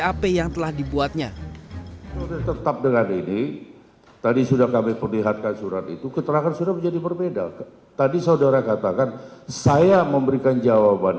bap yang telah dibuatnya